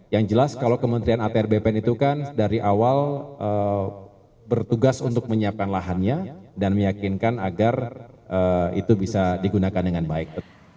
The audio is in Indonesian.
yang jelas kalau kementerian atr bpn itu kan dari awal bertugas untuk menyiapkan lahannya dan meyakinkan agar itu bisa digunakan dengan baik